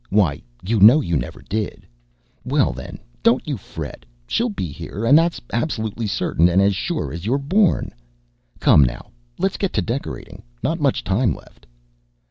Why, you know you never did. Well, then, don't you fret; she'll BE here, and that's absolutely certain, and as sure as you are born. Come, now, let's get to decorating not much time left."